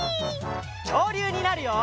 きょうりゅうになるよ！